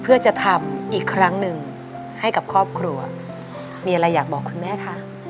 เพื่อจะทำอีกครั้งหนึ่งให้กับครอบครัวมีอะไรอยากบอกคุณแม่คะ